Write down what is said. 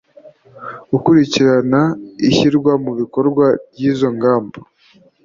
gukurikirana ishyirwa mu bikorwa ry izo ngamba